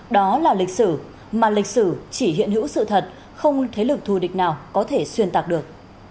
đó là lịch sử mà lịch sử chỉ hiện hữu sự thật không thế lực thù địch nào có thể xuyên tạc được